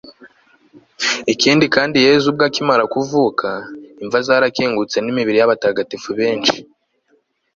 ikindi kandi yezu ubwe akimara kuzuka, imva zarakingutse n'imibiri y'abatagatifu benshi